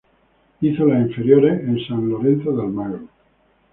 Hizo las inferiores en San Lorenzo de Almagro.